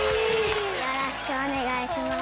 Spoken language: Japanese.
よろしくお願いします。